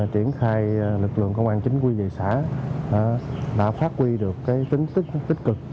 triển khai lực lượng công an chính quyền dạy xã đã phát huy được tính tích tích cực